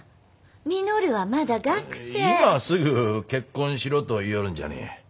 今すぐ結婚しろと言ようるんじゃねえ。